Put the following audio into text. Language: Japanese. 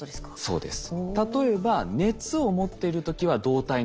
そうです。